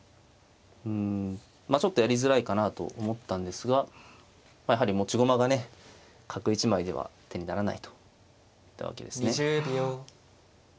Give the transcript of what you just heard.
うんまあちょっとやりづらいかなと思ったんですがやはり持ち駒がね角１枚では手にならないといったわけですね。